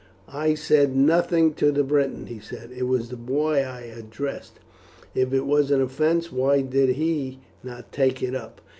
"I said nothing to the Briton," he said; "it was the boy I addressed. If it was an offence, why did he not take it up?